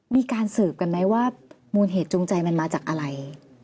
มีการสืบกันไหมว่ามูลเหตุจูงใจมันมาจากอะไร